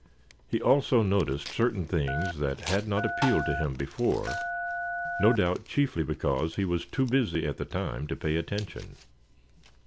He also noticed certain things that had not appealed to him before, no doubt chiefly because he was too busy at the time to pay attention.